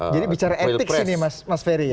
jadi bicara etik sini mas fedy ya